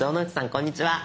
こんにちは。